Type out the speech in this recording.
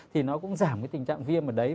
thì nó cũng giảm cái tình trạng viêm ở đấy